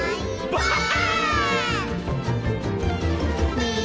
ばあっ！